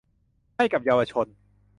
ให้กับเยาวชน